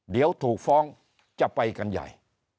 เดี๋ยวถูกฟ้องจะไปกันใหญ่